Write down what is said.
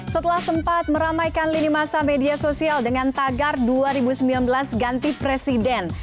setelah sempat meramaikan lini masa media sosial dengan tagar dua ribu sembilan belas ganti presiden